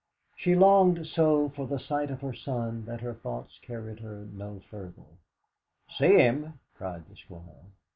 She longed so for a sight of her son that her thoughts carried her no further. "See him!" cried the Squire.